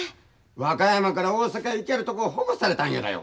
和歌山から大阪へ行きゃるとこ保護されたんやらよ。